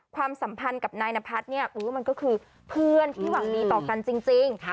ความสัมพันธ์กับนายนพัฒน์เนี่ยมันก็คือเพื่อนที่หวังดีต่อกันจริง